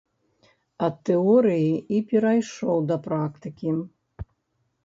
Ад тэорыі і перайшоў да практыкі.